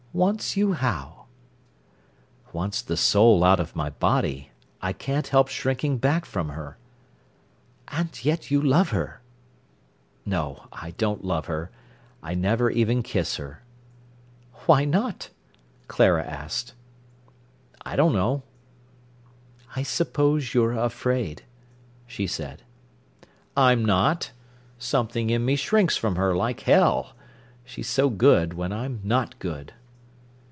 "Wants you how?" "Wants the soul out of my body. I can't help shrinking back from her." "And yet you love her!" "No, I don't love her. I never even kiss her." "Why not?" Clara asked. "I don't know." "I suppose you're afraid," she said. "I'm not. Something in me shrinks from her like hell—she's so good, when I'm not good."